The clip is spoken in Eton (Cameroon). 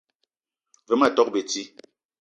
Ve ma tok beti